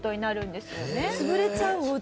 潰れちゃうお家。